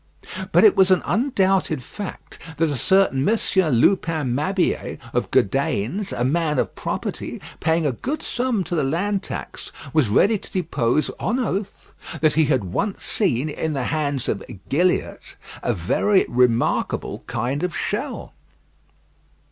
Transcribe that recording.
But it was an undoubted fact that a certain Mons. Lupin Mabier, of Godaines, a man of property, paying a good sum to the land tax, was ready to depose on oath, that he had once seen in the hands of Gilliatt a very remarkable kind of shell.